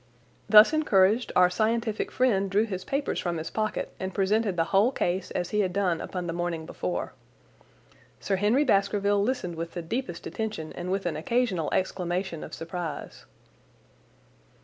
Thus encouraged, our scientific friend drew his papers from his pocket and presented the whole case as he had done upon the morning before. Sir Henry Baskerville listened with the deepest attention and with an occasional exclamation of surprise.